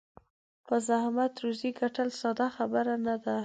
په زحمت روزي ګټل ساده خبره نه ده.